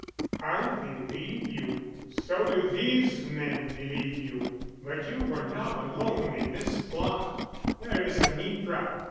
"I believe you, so do these men believe you. But you were not alone in this plot. Where is Anitra?